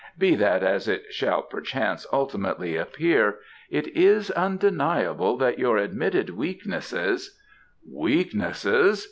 "Be that as it shall perchance ultimately appear, it is undeniable that your admitted weaknesses " "Weaknesses!"